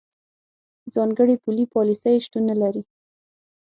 ځانګړې پولي پالیسۍ شتون نه لري.